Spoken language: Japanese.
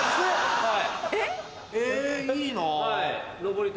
はい。